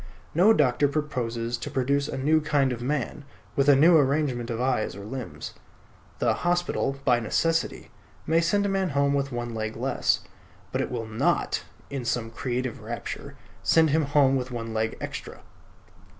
No doctor proposes to produce a new kind of man, with a new arrangement of eyes or limbs. The hospital, by necessity, may send a man home with one leg less: but it will not (in a creative rapture) send him home with one leg extra.